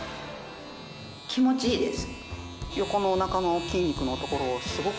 気持ちいいです。